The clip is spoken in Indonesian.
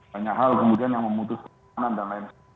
banyak hal kemudian yang memutuskan dan lain lain